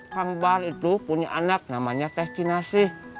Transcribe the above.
kang bahar itu punya anak namanya teh kinasih